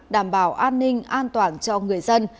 đảm bảo an ninh an toàn cho người dân